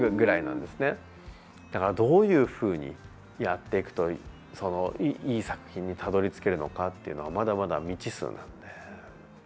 だからどういうふうにやっていくといい作品にたどりつけるのかというのはまだまだ未知数なので。